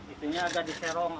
itunya agak diserong